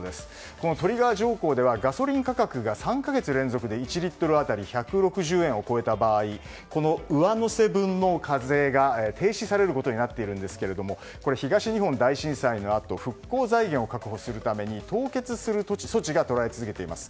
このトリガー条項ではガソリン価格が３か月連続で１リットル当たり１６０円を超えた場合上乗せ分の課税が停止されることになっていますが東日本大震災のあと復興財源を確保するために凍結する措置がとられ続けています。